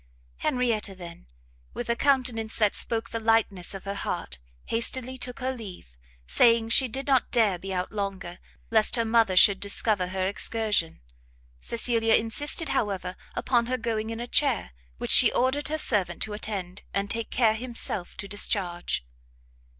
Henrietta then, with a countenance that spoke the lightness of her heart, hastily took her leave, saying she did not dare be out longer, lest her mother should discover her excursion. Cecilia insisted, however, upon her going in a chair, which she ordered her servant to attend, and take care himself to discharge.